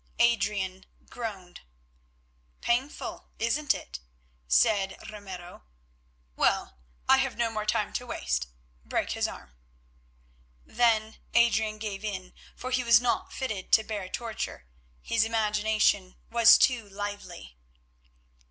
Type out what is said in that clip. Adrian groaned. "Painful, isn't it?" said Ramiro. "Well, I have no more time to waste, break his arm." Then Adrian gave in, for he was not fitted to bear torture; his imagination was too lively.